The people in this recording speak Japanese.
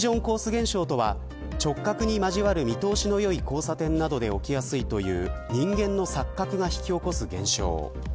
現象とは直角に交わる見通しのよい交差点などで起きやすいという人間の錯覚が引き起こす現象。